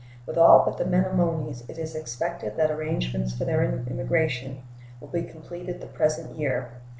With all but the Menomonees it is expected that arrangements for their emigration will be completed the present year.